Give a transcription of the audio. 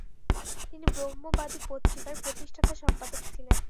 তিনি ব্রহ্মবাদী পত্রিকার প্রতিষ্ঠাতা সম্পাদক ছিলেন।